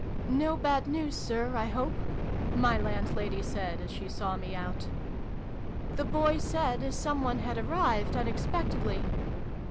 " No bad news, Sir, I hope ?" my landlady said, as she saw me out. " The boy said as some one had arrived unexpectedly